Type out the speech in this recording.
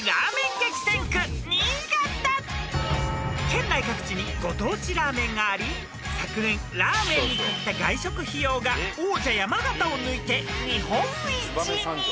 ［県内各地にご当地ラーメンがあり昨年ラーメンにかけた外食費用が王者山形を抜いて日本一に］